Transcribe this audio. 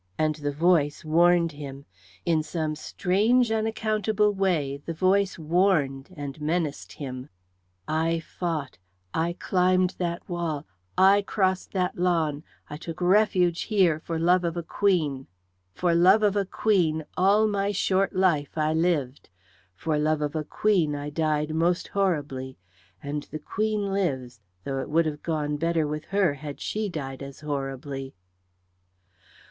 And the voice warned him, in some strange unaccountable way the voice warned and menaced him. "I fought, I climbed that wall, I crossed the lawn, I took refuge here for love of a queen. For love of a queen all my short life I lived. For love of a queen I died most horribly; and the queen lives, though it would have gone better with her had she died as horribly."